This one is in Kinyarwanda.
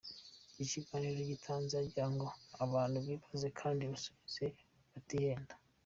Iki kiganiro yagitanze agira ngo abantu bibaze kandi basubize batihenda.